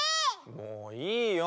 もういいよ。